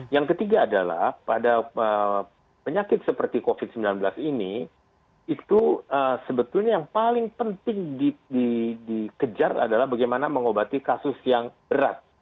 yang ketiga adalah pada penyakit seperti covid sembilan belas ini itu sebetulnya yang paling penting dikejar adalah bagaimana mengobati kasus yang berat